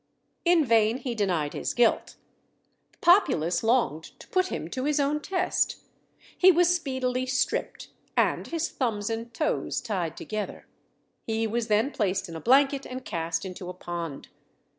In vain he denied his guilt. The populace longed to put him to his own test. He was speedily stripped, and his thumbs and toes tied together. He was then placed in a blanket, and cast into a pond.